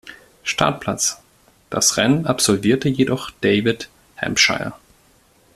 Startplatz, das Rennen absolvierte jedoch David Hampshire.